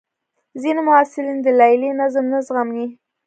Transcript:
ځینې محصلین د لیلیې نظم نه زغمي.